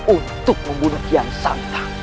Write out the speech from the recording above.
untuk membunuh kian santang